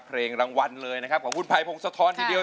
เพลงรางวัลเลยนะครับของคุณภัยพงศธรทีเดียว